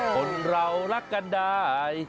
คนเรารักกันได้